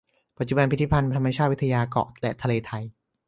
ปัจจุบันพิพิธภัณฑ์ธรรมชาติวิทยาเกาะและทะเลไทย